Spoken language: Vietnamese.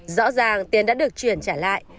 rõ ràng tiền đã được chuyển trả lại